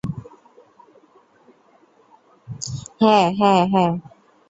হ্যাঁ হ্যাঁ হ্যাঁ।